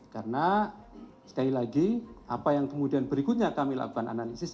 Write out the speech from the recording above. karena sekali lagi apa yang kemudian berikutnya kami lakukan analisis